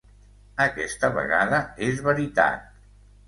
Aquesta vegada és veritat.